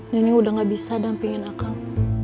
nenek udah gak bisa dampingin akan